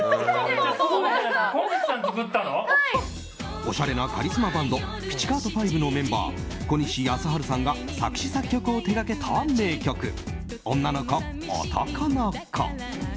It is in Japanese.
おしゃれなカリスマバンドピチカート・ファイヴのメンバー小西康陽さんが作詞・作曲を手掛けた名曲「オンナのコオトコのコ」。